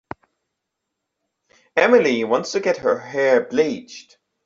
Emily wants to get her hair bleached.